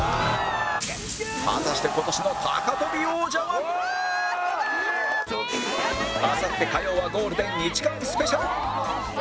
果たして今年のあさって火曜はゴールデン２時間スペシャル